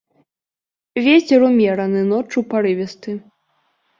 Вецер ўмераны, ноччу парывісты.